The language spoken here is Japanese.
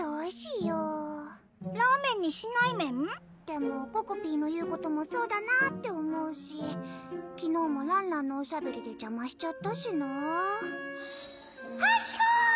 でもここぴーの言うこともそうだなって思うし昨日もらんらんのおしゃべりで邪魔しちゃったしなはひょ！